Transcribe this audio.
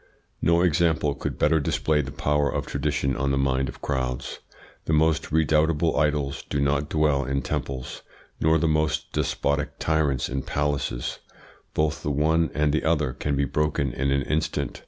No example could better display the power of tradition on the mind of crowds. The most redoubtable idols do not dwell in temples, nor the most despotic tyrants in palaces; both the one and the other can be broken in an instant.